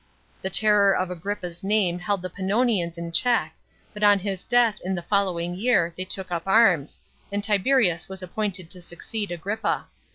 The terror of Agrippi's name held the Pannonians in check, but on his death in the following year they took up arms, and Tiberius was appointed to succeed Agrippa.